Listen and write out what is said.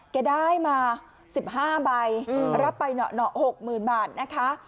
แกได้มา๑๕ใบรับไปเหนาะ๖๐๐๐บาทนะคะ